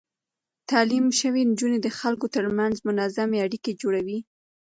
تعليم شوې نجونې د خلکو ترمنځ منظم اړيکې جوړوي.